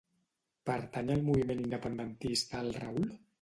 Pertany al moviment independentista el Raül?